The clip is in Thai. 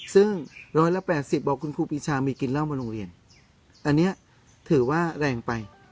ซึ่ง๑๘๐บอกคุณครูปีชามีกินเหล้ามาโรงเรียนอันนี้ถือว่าแรงไป